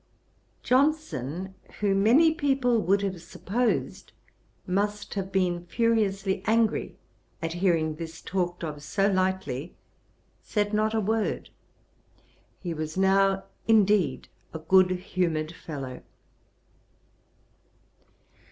Johnson, who many people would have supposed must have been furiously angry at hearing this talked of so lightly, said not a word. He was now, indeed, 'a good humoured fellow.'